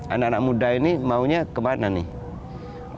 anak anak muda ini maunya kemana nih